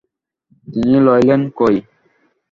তিনি লইলেন কই?